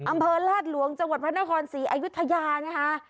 อำเภอลาดหลวงจังหวัดพระนครศรีอายุทยานะคะ